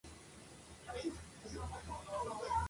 Beatrice y Tess no tuvieron una infancia fácil.